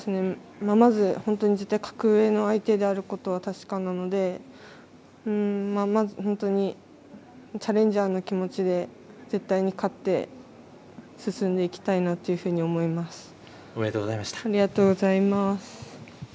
まず、絶対に格上の相手であることは確かなので、本当にチャレンジャーな気持ちで絶対に勝って進んでいきたいなというふうに思います。